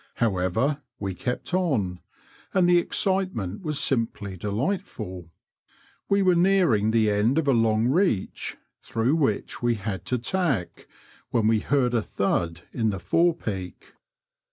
However, we kept on, and the excitement was simply delightful. We were nearing the end of a long reach, through which we had to tack, when we heard a thud in the forepeak.